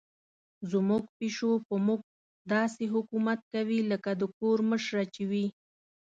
زموږ پیشو په موږ داسې حکومت کوي لکه د کور مشره چې وي.